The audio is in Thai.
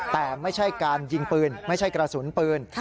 แต่ไม่ใช่การยิงปืนไม่ใช่กระสุนปืน